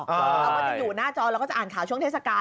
เราก็จะอยู่หน้าจอเราก็จะอ่านข่าวช่วงเทศกาล